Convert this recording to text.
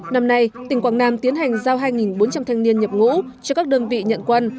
năm nay tỉnh quảng nam tiến hành giao hai bốn trăm linh thanh niên nhập ngũ cho các đơn vị nhận quân